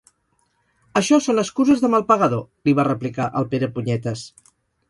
Això són excuses de mal pagador! —li va replicar el Perepunyetes—